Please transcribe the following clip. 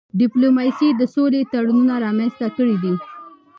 ډيپلوماسی د سولي تړونونه رامنځته کړي دي.